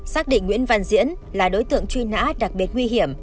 xác định nguyễn văn diễn là đối tượng truy nã đặc biệt nguy hiểm